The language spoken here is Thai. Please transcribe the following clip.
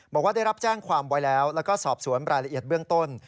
บอกว่าได้รับแจ้งความไว้แล้วแล้วก็สอบสวนรายละเอียดเบื้องต้น